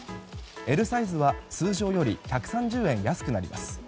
Ｌサイズは、通常より１３０円安くなります。